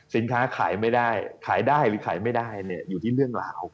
สินค้าขายไม่ได้ขายได้หรือขายไม่ได้อยู่ที่เรื่องราว